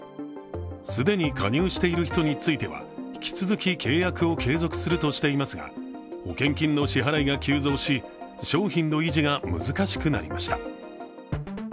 既に加入している人については引き続き契約を継続するとしていますが保険金の支払いが急増し商品の維持が難しくなりました。